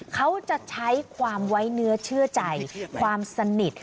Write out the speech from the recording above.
เขาจะใช้ความไว้เนื้อเชื่อใจความสนิท